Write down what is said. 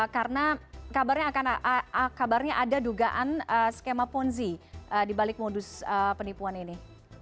karena kabarnya ada dugaan skema ponzi di balik modus penipuan ini